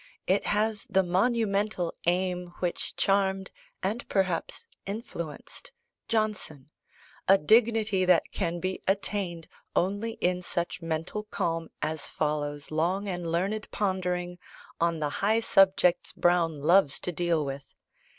It has the monumental aim which charmed, and perhaps influenced, Johnson a dignity that can be attained only in such mental calm as follows long and learned pondering on the high subjects Browne loves to deal with.